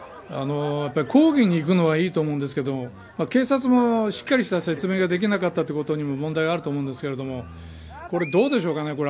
抗議に行くのはいいと思うんですけど警察もしっかりした説明ができなかったことにも問題はあると思いますがこれ、どうでしょうかね。